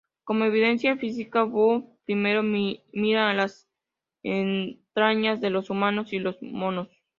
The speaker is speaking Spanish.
Como evidencia física, Buss primero mira las entrañas de los humanos y los monos.